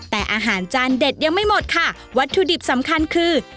แต่อาหารจานเด็ดยังไม่หมดค่ะวัตถุดิบสำคัญคือ